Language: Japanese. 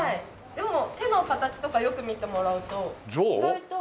でも手の形とかよく見てもらうと意外と。